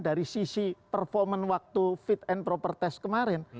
dari sisi performan waktu fit and proper test kemarin